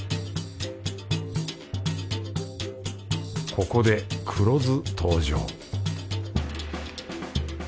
ここで黒酢登場